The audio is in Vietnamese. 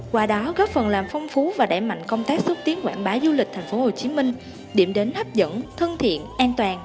qua đó góp phần làm phong phú và đẩy mạnh công tác xúc tiến quảng bá du lịch tp hcm điểm đến hấp dẫn thân thiện an toàn